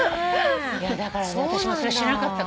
だから私もそれは知らなかったから。